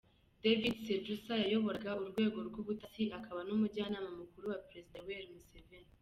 David Sejusa yayoboraga urwego rw’ubutasi akaba n’Umujyanama mukuru wa Perezida Yoweli Museveni.